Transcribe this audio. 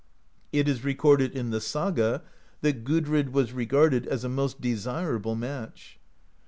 It is recorded in the saga that Gudrid was regarded as a most desirable match.